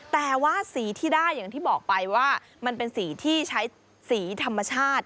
แต่ว่าสีที่ได้อย่างที่บอกไปว่ามันเป็นสีที่ใช้สีธรรมชาติ